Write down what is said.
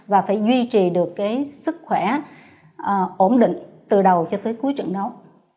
và phải duy trì được cái sức khỏe ổn định từ đầu cho tới cuối trận nấu